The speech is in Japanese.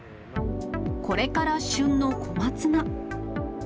これから旬の小松菜。